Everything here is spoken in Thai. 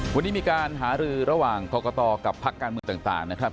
วันนี้มีการหารือระหว่างกรกตกับพักการเมืองต่างนะครับ